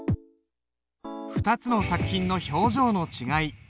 ２つの作品の表情の違い。